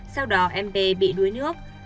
sau đó mb bị đuối nước